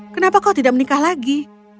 kenapa kau tidak menikah lagi